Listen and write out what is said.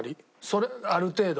それある程度。